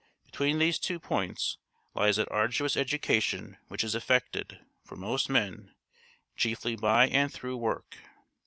Between these two points lies that arduous education which is effected, for most men, chiefly by and through work.